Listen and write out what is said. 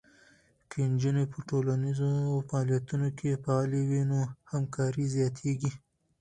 که نجونې په ټولنیزو فعالیتونو کې فعاله وي، نو همکاری زیاته کېږي.